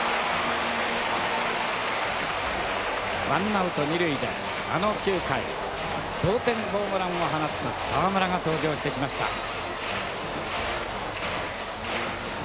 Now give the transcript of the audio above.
ワンアウト２塁であの９回同点ホームランを放った澤村が登場してきました。